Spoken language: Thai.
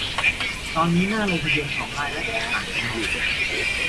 ตอนนี้หน้าลงทะเบียนของไลน์และแอป ต่างกันอยู่